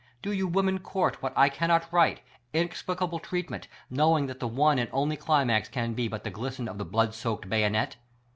Do you women court what I cannot write — inexplicable treat ment? — knowing that the one and onh climax can be but the glisten of the blood soaked bayonet?